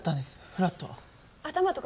フラッと。